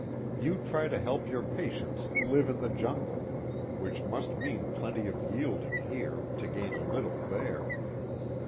You try to help your patients live in the jungle, which must mean plenty of yielding here to gain a little there.